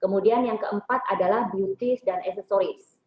kemudian yang keempat adalah beauties dan accessories